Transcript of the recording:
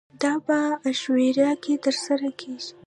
دا په عاشورا کې ترسره کیږي.